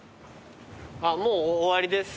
あっもう終わりです。